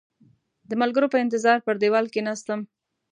د ملګرو په انتظار پر دېوال کېناستم.